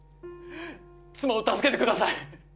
妻を助けてください！